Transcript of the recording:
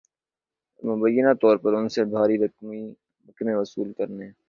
اور مبینہ طور پر ان سے بھاری رقمیں وصول کرنے